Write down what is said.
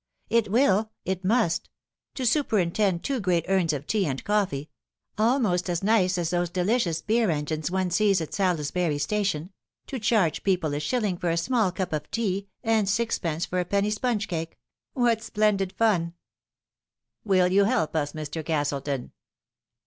" It will it must. To superintend two great urns of tea and coffee almost as nice as those delicious beer engines one sees at Salisbury Station to charge people a shilling for a small cup of tea, and sixpence for a penny sponge cake. What splendid fun I" " Will you help us, Mr. Castleton